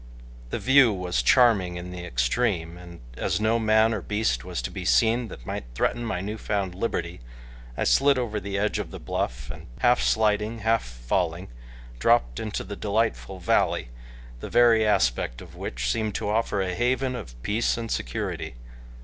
The view was charming in the extreme, and as no man or beast was to be seen that might threaten my new found liberty, I slid over the edge of the bluff, and half sliding, half falling, dropped into the delightful valley, the very aspect of which seemed to offer a haven of peace and security.